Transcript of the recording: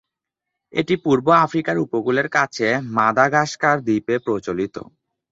এটি পূর্ব আফ্রিকার উপকূলের কাছে মাদাগাস্কার দ্বীপে প্রচলিত।